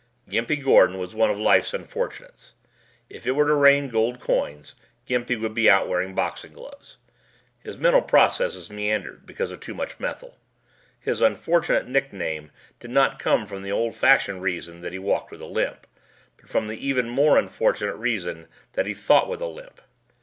Gimpy Gordon was one of Life's Unfortunates. If it were to rain gold coins, Gimpy would be out wearing boxing gloves. His mental processes meandered because of too much methyl. His unfortunate nickname did not come from the old fashioned reason that he walked with a limp, but from the even more unfortunate reason that he thought with a limp.